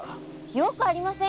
よくありませんよ！